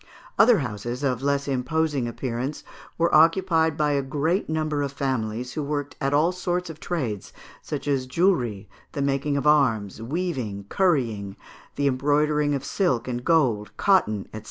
Other houses, of less imposing appearance, were occupied by a great number of families, who worked at all sorts of trades, such as jewellery, the making of arms, weaving, currying, the embroidering of silk and gold, cotton, &c.